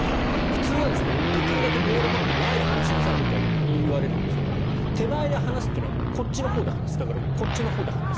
普通はできるだけボールを持って前で離しなさいみたいに言われるんですが手前で離すというのはこっちのほうで離す。